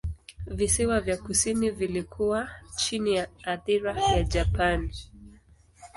Visiwa vya kusini vilikuwa chini ya athira ya Japani.